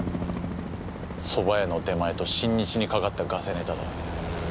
そば屋の出前と新日にかかったガセネタだ。